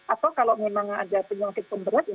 atau kalau memang ada penyakit pemberat